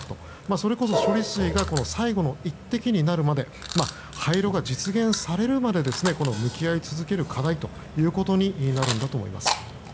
それこそ、処理水が最後の１滴になるまで廃炉が実現されるまで向き合い続ける課題となると思います。